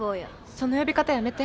その呼び方やめて！